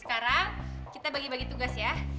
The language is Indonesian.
sekarang kita bagi bagi tugas ya